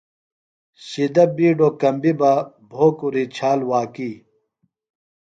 شِدہ بِیڈوۡ کمبیۡ بہ، بھوکُری چھال واکی